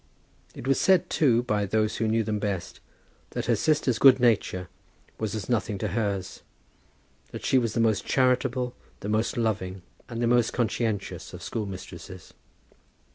It was said, too, by those who knew them best, that her sister's good nature was as nothing to hers; that she was the most charitable, the most loving, and the most conscientious of schoolmistresses.